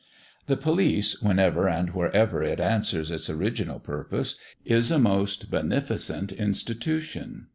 The police, whenever and wherever it answers its original purpose, is a most beneficent institution.